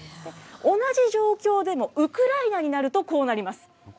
同じ状況でもウクライナになると、こうなります。